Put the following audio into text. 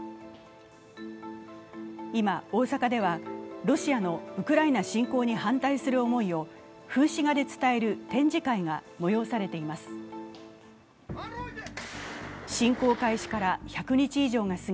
今、大阪ではロシアのウクライナ侵攻に反対する思いを風刺画で伝える展示会が催されています。